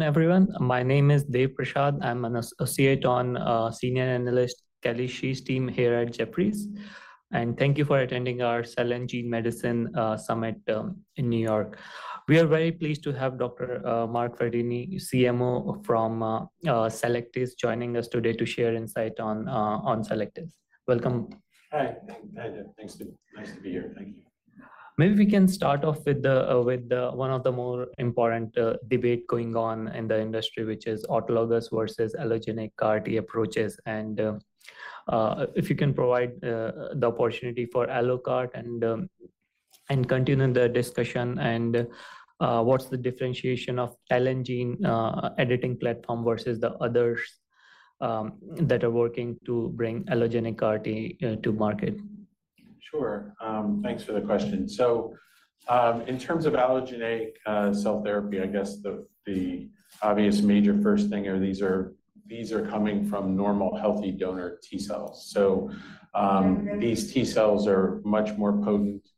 Everyone, my name is Dev Prasad. I'm an associate on Senior Analyst Kelly Shi's team here at Jefferies, and thank you for attending our Cell and Gene Medicine Summit in New York. We are very pleased to have Dr. Mark Frattini, CMO from Cellectis, joining us today to share insight on Cellectis. Welcome. Hi. Hi, Dev. Nice to be here. Thank you. Maybe we can start off with the one of the more important debate going on in the industry, which is autologous versus allogeneic CAR-T approaches. If you can provide the opportunity for allo CAR and continue the discussion, and what's the differentiation of TALEN gene editing platform versus the others that are working to bring allogeneic CAR-T to market? Sure. Thanks for the question. So, in terms of allogeneic cell therapy, I guess the obvious major first thing is these are coming from normal, healthy donor T cells. So, these T cells are much more potent.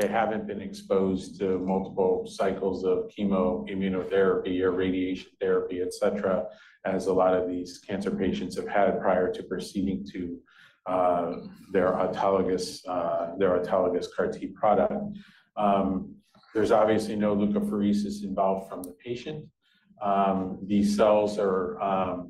They haven't been exposed to multiple cycles of chemo, immunotherapy, or radiation therapy, et cetera, as a lot of these cancer patients have had prior to proceeding to their autologous CAR-T product. There's obviously no leukapheresis involved from the patient. These cells are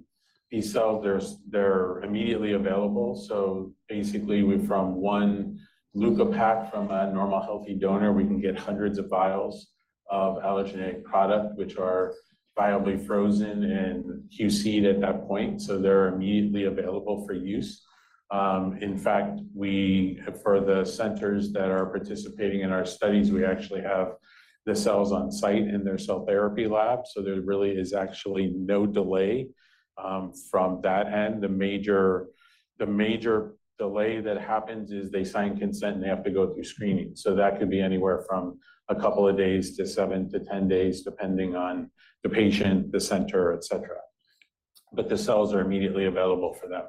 immediately available, so basically, from one leukapack from a normal, healthy donor, we can get hundreds of vials of allogeneic product, which are viably frozen and QC'd at that point, so they're immediately available for use. In fact, we, for the centers that are participating in our studies, we actually have the cells on site in their cell therapy lab, so there really is actually no delay from that end. The major delay that happens is they sign consent, and they have to go through screening. So that could be anywhere from a couple of days to 7-10 days, depending on the patient, the center, et cetera. But the cells are immediately available for them.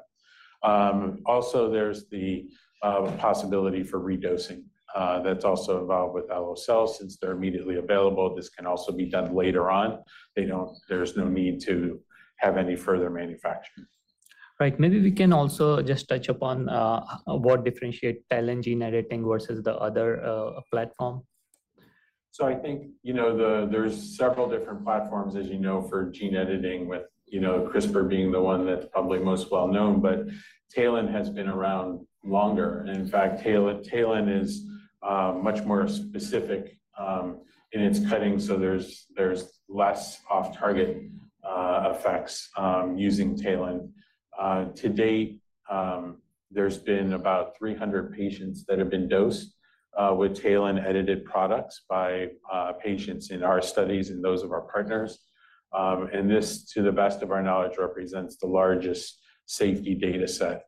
Also, there's the possibility for redosing. That's also involved with allo cells. Since they're immediately available, this can also be done later on. They don't. There's no need to have any further manufacturing. Right. Maybe we can also just touch upon what differentiate TALEN gene editing versus the other platform. So I think, you know, the, there's several different platforms, as you know, for gene editing with, you know, CRISPR being the one that's probably most well known, but TALEN has been around longer. And in fact, TALEN, TALEN is much more specific in its cutting, so there's less off-target effects using TALEN. To date, there's been about 300 patients that have been dosed with TALEN-edited products by patients in our studies and those of our partners. And this, to the best of our knowledge, represents the largest safety data set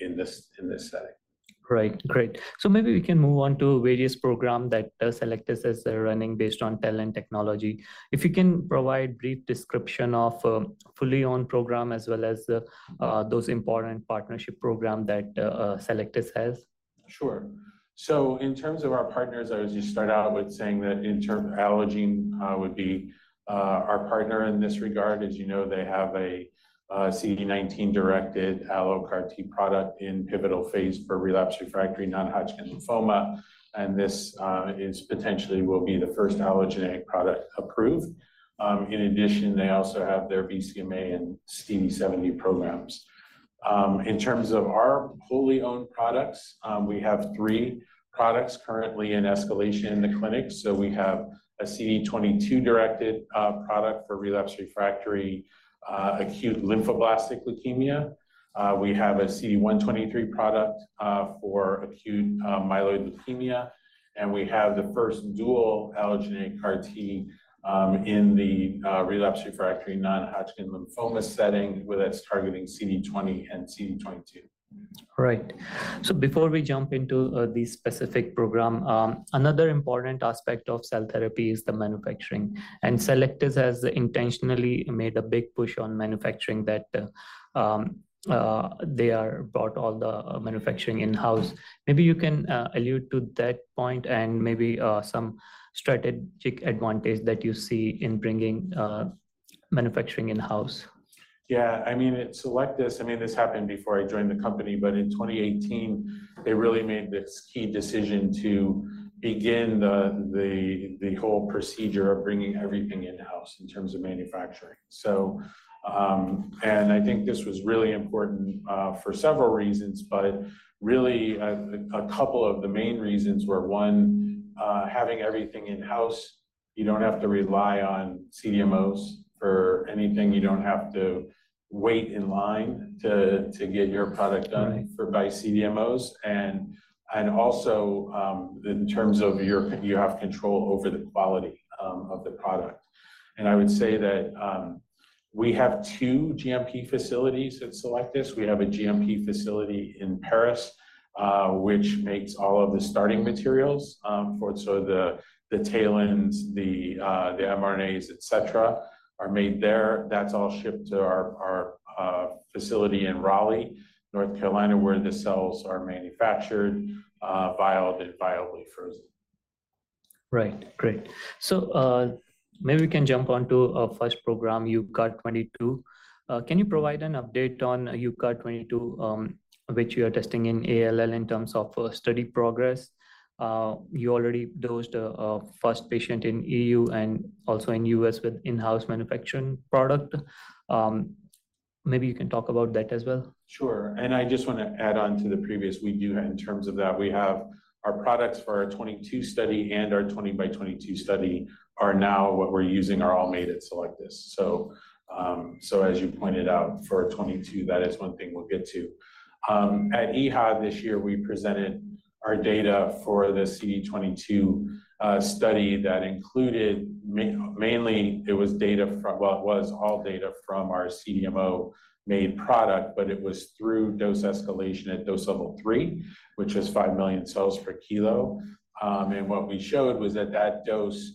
in this setting. Great, great. So maybe we can move on to various program that Cellectis is running based on TALEN technology. If you can provide brief description of fully owned program as well as those important partnership program that Cellectis has. Sure. So in terms of our partners, I would just start out with saying that in terms, Allogene would be our partner in this regard. As you know, they have a CD19-directed allo CAR-T product in pivotal phase for relapsed refractory non-Hodgkin lymphoma, and this is potentially will be the first allogeneic product approved. In addition, they also have their BCMA and CD70 programs. In terms of our wholly owned products, we have three products currently in escalation in the clinic. So we have a CD22-directed product for relapsed refractory acute lymphoblastic leukemia. We have a CD123 product for acute myeloid leukemia, and we have the first dual allogeneic CAR-T in the relapsed refractory non-Hodgkin lymphoma setting, where that's targeting CD20 and CD22. Right. So before we jump into the specific program, another important aspect of cell therapy is the manufacturing, and Cellectis has intentionally made a big push on manufacturing that they have brought all the manufacturing in-house. Maybe you can allude to that point and maybe some strategic advantage that you see in bringing manufacturing in-house. Yeah, I mean, at Cellectis, I mean, this happened before I joined the company, but in 2018, they really made this key decision to begin the whole procedure of bringing everything in-house in terms of manufacturing. So, and I think this was really important for several reasons, but really, a couple of the main reasons were, one, having everything in-house, you don't have to rely on CDMOs for anything. You don't have to wait in line to get your product done for by CDMOs. And also, in terms of your-- you have control over the quality of the product. And I would say that, we have two GMP facilities at Cellectis. We have a GMP facility in Paris, which makes all of the starting materials for it. So the TALENs, the mRNAs, et cetera, are made there. That's all shipped to our facility in Raleigh, North Carolina, where the cells are manufactured, vialed and viably frozen.... Right. Great. So, maybe we can jump onto our first program, UCART22. Can you provide an update on UCART22, which you are testing in ALL in terms of study progress? You already dosed a first patient in EU and also in US with in-house manufacturing product. Maybe you can talk about that as well. Sure. And I just want to add on to the previous. We do. In terms of that, we have our products for our 22 study and our 20 by 22 study are now what we're using are all made at Cellectis. So, as you pointed out, for 22, that is one thing we'll get to. At EHA this year, we presented our data for the CD22 study that included mainly, it was data from. Well, it was all data from our CDMO-made product, but it was through dose escalation at dose level III, which is 5 million cells per kilo. And what we showed was that that dose,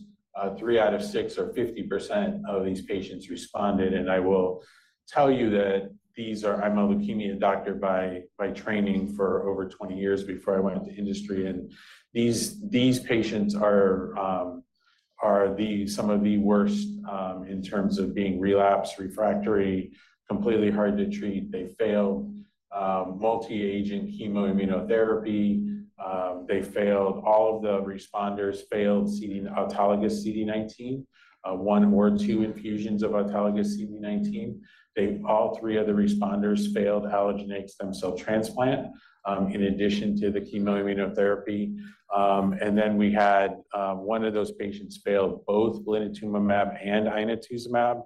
three out of six or 50% of these patients responded, and I will tell you that these are—I'm a leukemia doctor by training for over 20 years before I went into industry, and these patients are some of the worst in terms of being relapsed, refractory, completely hard to treat. They failed multi-agent chemoimmunotherapy. They failed—All of the responders failed CD, autologous CD19, 1 or 2 infusions of autologous CD19. All three of the responders failed allogeneic stem cell transplant in addition to the chemoimmunotherapy. And then we had 1 of those patients failed both blinatumomab and inotuzumab.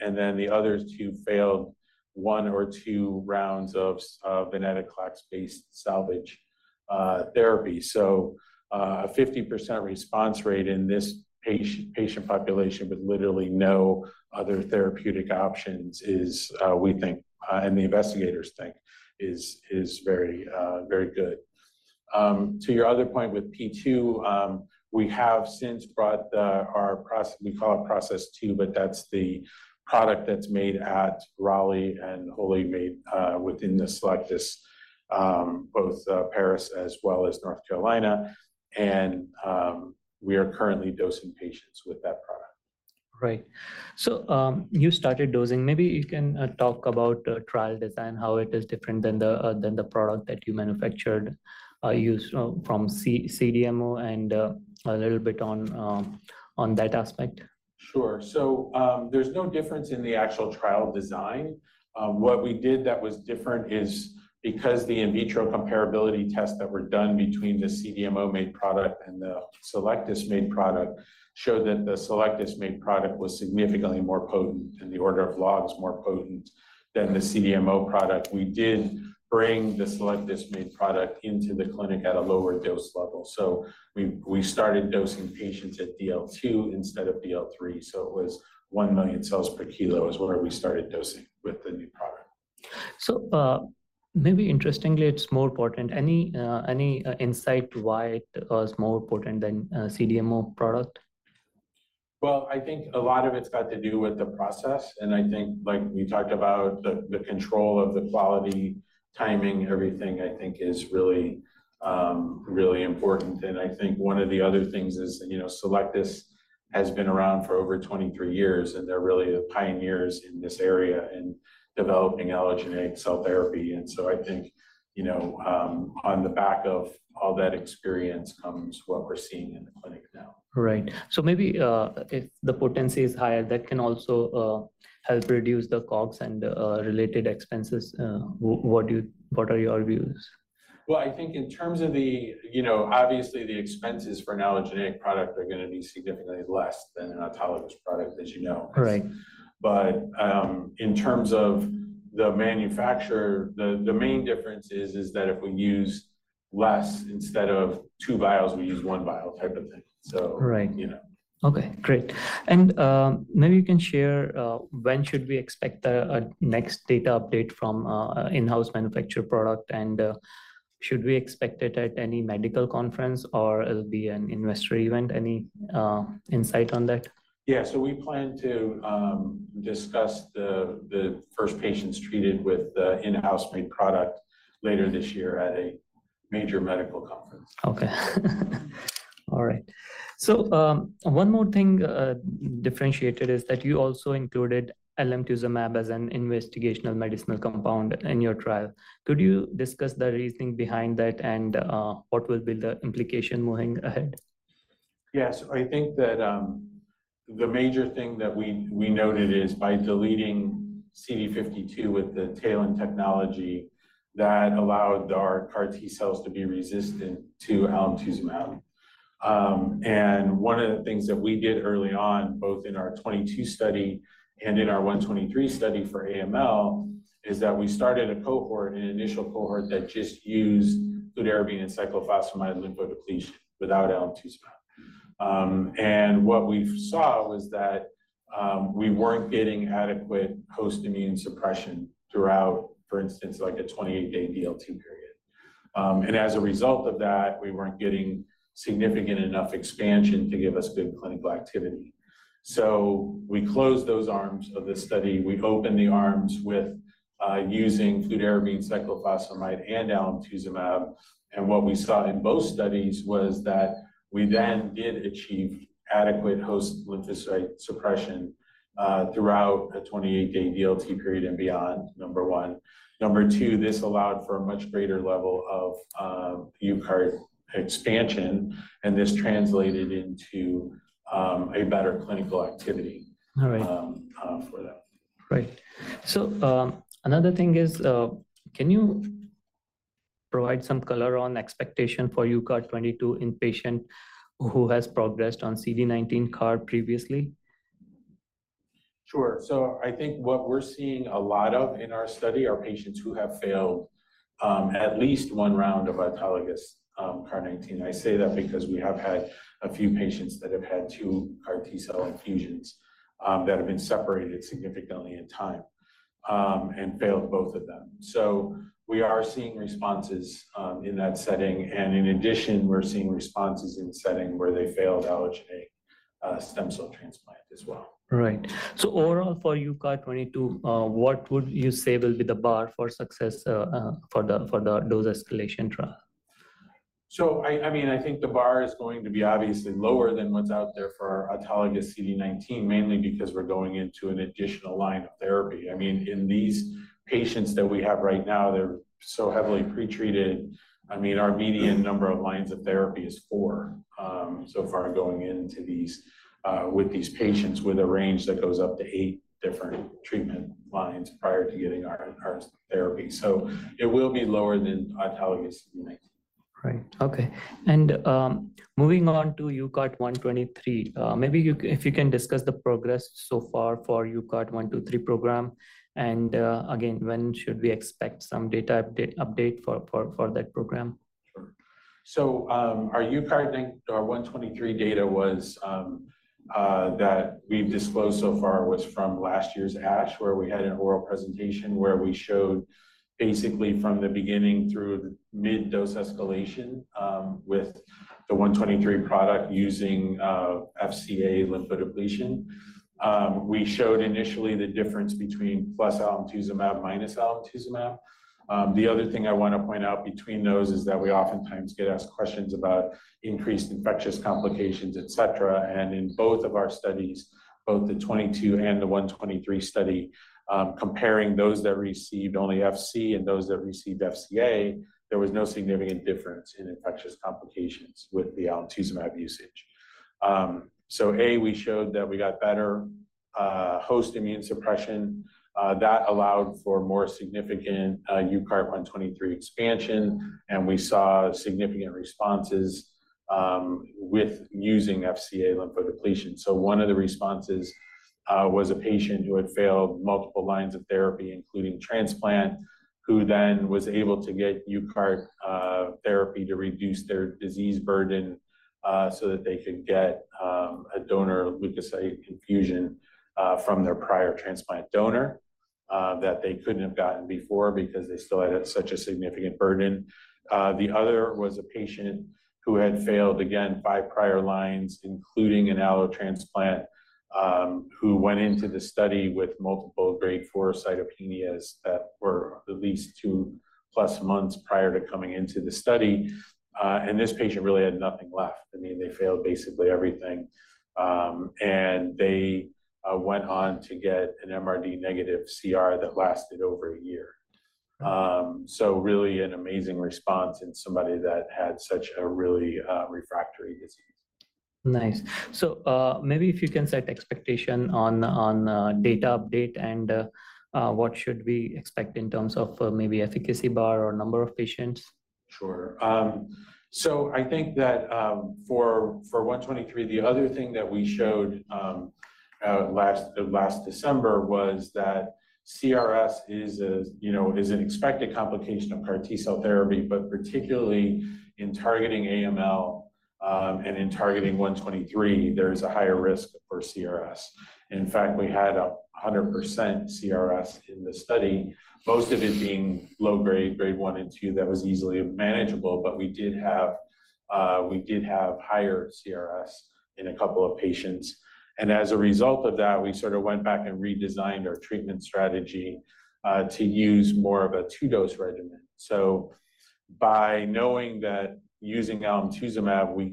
And then the other two failed one or two rounds of venetoclax-based salvage therapy. So, a 50% response rate in this patient, patient population with literally no other therapeutic options is, we think, and the investigators think is, is very, very good. To your other point, with P2, we have since brought our pro. We call it Process 2, but that's the product that's made at Raleigh and wholly made within the Cellectis, both, Paris as well as North Carolina. And, we are currently dosing patients with that product. Right. So, you started dosing. Maybe you can talk about the trial design, how it is different than the product that you manufactured, used from CDMO, and a little bit on that aspect. Sure. So, there's no difference in the actual trial design. What we did that was different is because the in vitro comparability tests that were done between the CDMO-made product and the Cellectis-made product showed that the Cellectis-made product was significantly more potent, in the order of logs, more potent than the CDMO product. We did bring the Cellectis-made product into the clinic at a lower dose level. So we started dosing patients at DL2 instead of DL3, so it was 1 million cells per kilo is where we started dosing with the new product. Maybe interestingly, it's more potent. Any insight to why it was more potent than a CDMO product? Well, I think a lot of it's got to do with the process, and I think, like we talked about, the control of the quality, timing, everything, I think is really, really important. And I think one of the other things is, you know, Cellectis has been around for over 23 years, and they're really the pioneers in this area in developing allogeneic cell therapy. And so I think, you know, on the back of all that experience comes what we're seeing in the clinic now. Right. So maybe, if the potency is higher, that can also help reduce the costs and related expenses. What are your views? Well, I think in terms of the, you know, obviously, the expenses for an allogeneic product are going to be significantly less than an autologous product, as you know. Right. But, in terms of the manufacturer, the main difference is that if we use less, instead of two vials, we use onevial type of thing, so- Right. You know? Okay, great. And, maybe you can share, when should we expect the next data update from an in-house manufactured product, and, should we expect it at any medical conference, or it'll be an investor event? Any insight on that? Yeah. So we plan to discuss the first patients treated with the in-house made product later this year at a major medical conference. Okay. All right. So, one more thing, differentiated is that you also included alemtuzumab as an investigational medicinal compound in your trial. Could you discuss the reasoning behind that and, what will be the implication moving ahead? Yes. I think that, the major thing that we, we noted is by deleting CD52 with the TALEN technology, that allowed our CAR T cells to be resistant to alemtuzumab. And one of the things that we did early on, both in our 22 study and in our 123 study for AML, is that we started a cohort, an initial cohort, that just used fludarabine and cyclophosphamide lymphodepletion without alemtuzumab. And what we saw was that, we weren't getting adequate host immune suppression throughout, for instance, like a 28-day DL2 period. And as a result of that, we weren't getting significant enough expansion to give us good clinical activity. So we closed those arms of the study. We opened the arms with, using fludarabine, cyclophosphamide, and alemtuzumab. What we saw in both studies was that we then did achieve adequate host lymphocyte suppression throughout a 28-day DLT period and beyond, number one. Number two, this allowed for a much greater level of UCART expansion, and this translated into a better clinical activity- All right. for that. Right. So, another thing is, can you provide some color on expectation for UCART22 in patient who has progressed on CD19 CAR previously? Sure. So I think what we're seeing a lot of in our study are patients who have failed at least one round of autologous CAR 19. I say that because we have had a few patients that have had two CAR T-cell infusions that have been separated significantly in time and failed both of them. So we are seeing responses in that setting, and in addition, we're seeing responses in setting where they failed allogeneic stem cell transplant as well. Right. So overall, for UCART22, what would you say will be the bar for success for the dose escalation trial? So I mean, I think the bar is going to be obviously lower than what's out there for autologous CD19, mainly because we're going into an additional line of therapy. I mean, in these patients that we have right now, they're so heavily pretreated. I mean, our median number of lines of therapy is four, so far going into these with these patients, with a range that goes up to eight different treatment lines prior to getting our, our therapy. So it will be lower than autologous CD19. Right. Okay. And, moving on to UCART123, maybe you, if you can discuss the progress so far for UCART123 program, and, again, when should we expect some data update for that program? Sure. So, our UCART123 data was, that we've disclosed so far was from last year's ASH, where we had an oral presentation where we showed basically from the beginning through mid-dose escalation, with the UCART123 product using FCA lymphodepletion. We showed initially the difference between plus alemtuzumab, minus alemtuzumab. The other thing I want to point out between those is that we oftentimes get asked questions about increased infectious complications, et cetera. And in both of our studies, both the UCART22 and the UCART123 study, comparing those that received only FC and those that received FCA, there was no significant difference in infectious complications with the alemtuzumab usage. So, we showed that we got better host immune suppression that allowed for more significant UCART123 expansion, and we saw significant responses with using FCA lymphodepletion. So one of the responses was a patient who had failed multiple lines of therapy, including transplant, who then was able to get UCART therapy to reduce their disease burden so that they could get a donor leukocyte infusion from their prior transplant donor that they couldn't have gotten before because they still had such a significant burden. The other was a patient who had failed, again, 5 prior lines, including an allo transplant, who went into the study with multiple grade 4 cytopenias that were at least 2+ months prior to coming into the study. And this patient really had nothing left. I mean, they failed basically everything, and they went on to get an MRD negative CR that lasted over a year. So really an amazing response in somebody that had such a really, refractory disease. Nice. So, maybe if you can set expectation on data update and what should we expect in terms of maybe efficacy bar or number of patients? Sure. So I think that for UCART123, the other thing that we showed last December was that CRS is a, you know, is an expected complication of CAR T-cell therapy, but particularly in targeting AML, and in targeting UCART123, there's a higher risk for CRS. In fact, we had 100% CRS in the study, most of it being low grade, grade I and II, that was easily manageable, but we did have higher CRS in a couple of patients. And as a result of that, we sorta went back and redesigned our treatment strategy to use more of a 2-dose regimen. So by knowing that using alemtuzumab, we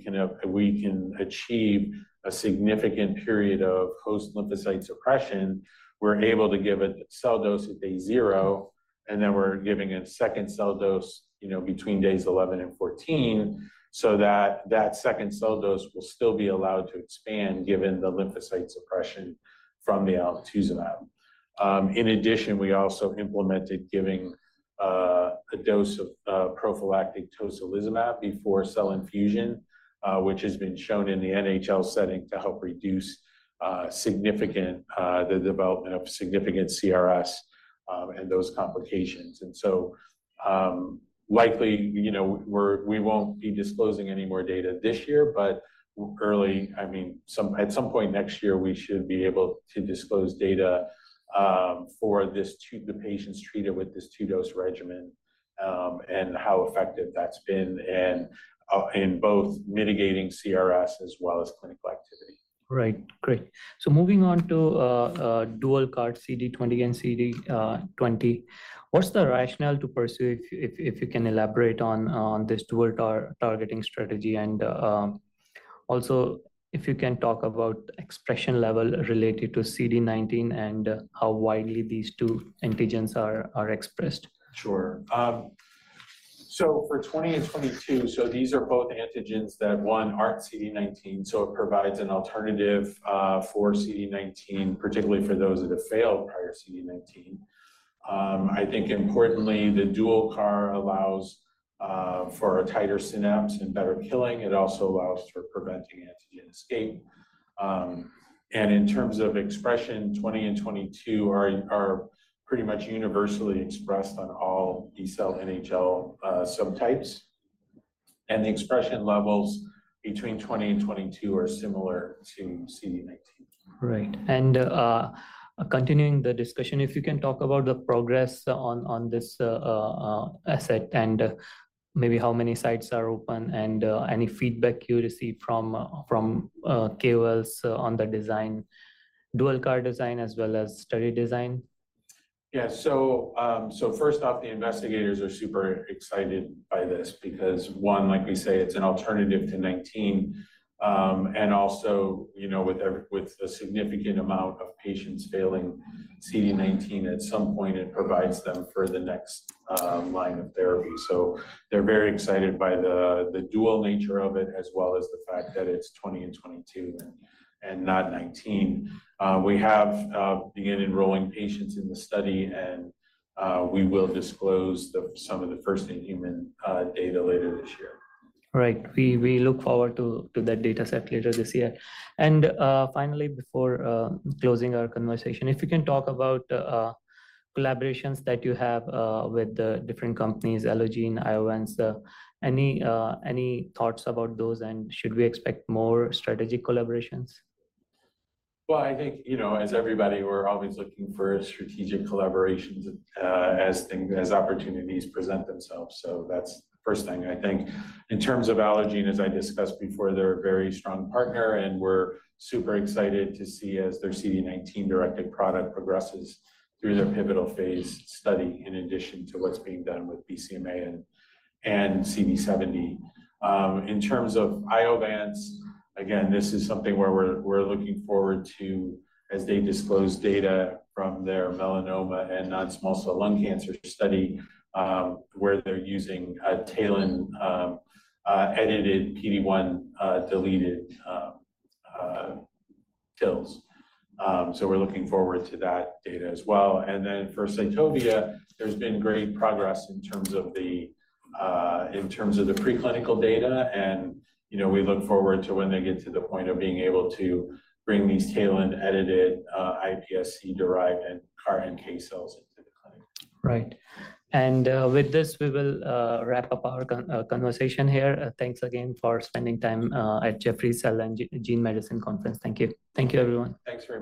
can achieve a significant period of host lymphocyte suppression, we're able to give a cell dose at day 0, and then we're giving a second cell dose, you know, between days 11 and 14, so that that second cell dose will still be allowed to expand given the lymphocyte suppression from the alemtuzumab. In addition, we also implemented giving a dose of prophylactic tocilizumab before cell infusion, which has been shown in the NHL setting to help reduce the development of significant CRS, and those complications. And so, likely, you know, we won't be disclosing any more data this year, but early, I mean, some at some point next year, we should be able to disclose data for the patients treated with this 2-dose regimen. and how effective that's been in both mitigating CRS as well as clinical activity. Right. Great. So moving on to dual CAR CD20 and CD22, what's the rationale to pursue if you can elaborate on this dual targeting strategy? And, also, if you can talk about expression level related to CD19 and how widely these two antigens are expressed. Sure. So for 20 and 22, so these are both antigens that aren't CD19, so it provides an alternative for CD19, particularly for those that have failed prior CD19. I think importantly, the dual CAR allows for a tighter synapse and better killing. It also allows for preventing antigen escape. And in terms of expression, 20 and 22 are pretty much universally expressed on all B-cell NHL subtypes, and the expression levels between 20 and 22 are similar to CD19. Right. And continuing the discussion, if you can talk about the progress on this asset, and maybe how many sites are open, and any feedback you received from KOLs on the design, dual CAR design as well as study design. Yeah. So, first off, the investigators are super excited by this because, one, like we say, it's an alternative to CD19. And also, you know, with a significant amount of patients failing CD19, at some point it provides them for the next line of therapy. So they're very excited by the dual nature of it, as well as the fact that it's CD20 and CD22 and not CD19. We have began enrolling patients in the study, and we will disclose some of the first-in-human data later this year. Right. We look forward to that data set later this year. And finally, before closing our conversation, if you can talk about collaborations that you have with the different companies, Allogene, Iovance, any thoughts about those, and should we expect more strategic collaborations? Well, I think, you know, as everybody, we're always looking for strategic collaborations, as opportunities present themselves. So that's the first thing. I think in terms of Allogene, as I discussed before, they're a very strong partner, and we're super excited to see as their CD19-directed product progresses through their pivotal phase study, in addition to what's being done with BCMA and CD70. In terms of Iovance, again, this is something where we're looking forward to as they disclose data from their melanoma and non-small cell lung cancer study, where they're using a TALEN edited PD-1 deleted TILs. So we're looking forward to that data as well. Then for Cytovia, there's been great progress in terms of the preclinical data, and, you know, we look forward to when they get to the point of being able to bring these TALEN-edited iPSC-derived and CAR NK cells into the clinic. Right. And with this, we will wrap up our conversation here. Thanks again for spending time at Jefferies Cell and Gene Medicine Conference. Thank you. Thank you, everyone. Thanks, Prasad.